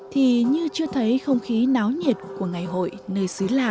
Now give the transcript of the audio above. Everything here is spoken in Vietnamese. thì như chưa thấy không khí náo nhiệt của ngày hội nơi xưa